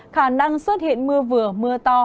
khả năng xuất hiện mưa vừa mưa to